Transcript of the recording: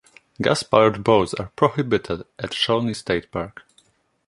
Gas powered boats are prohibited at Shawnee State Park.